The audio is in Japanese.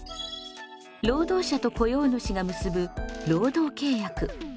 労働者と雇用主が結ぶ労働契約。